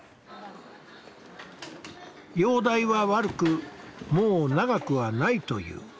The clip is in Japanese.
容体は悪くもう長くはないという。